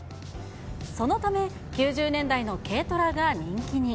そのため、９０年代の軽トラが人気に。